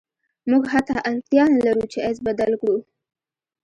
موږ حتی اړتیا نلرو چې ایس بدل کړو